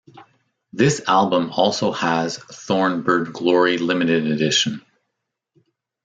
This album also has Thorn Bird Glory Limited Edition.